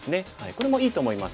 これもいいと思います。